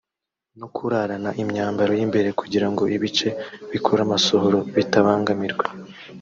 no kurarana imyambaro y’imbere kugira ngo ibice bikora amasohoro bitabangamirwa